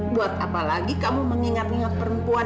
buat apa lagi kamu mengingat ingat perempuan